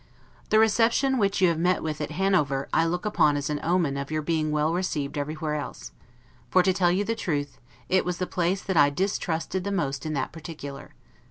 The reception which you have met with at Hanover, I look upon as an omen of your being well received everywhere else; for to tell you the truth, it was the place that I distrusted the most in that particular.